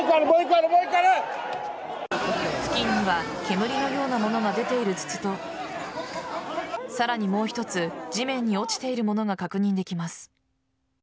付近には煙のようなものが出ている筒とさらにもう１つ地面に落ちているものが確認できます。